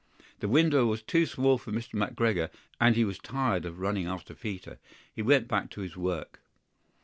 The window was too small for Mr. McGregor, and he was tired of running after Peter. He went back to his work.